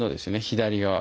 左側